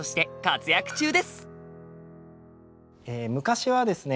昔はですね